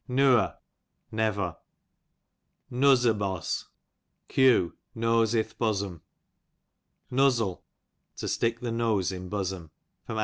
Nuer, never. Nuzz e baz, q. nose ith^ bo som. Nuzzle, to stick the nose in bosom. A.